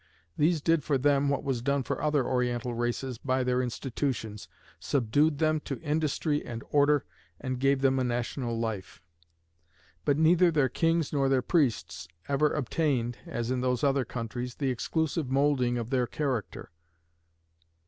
These did for them what was done for other Oriental races by their institutions subdued them to industry and order, and gave them a national life. But neither their kings nor their priests ever obtained, as in those other countries, the exclusive moulding of their character.